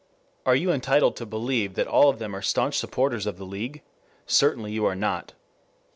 Are you entitled to believe that all of them are staunch supporters of the League? Certainly you are not.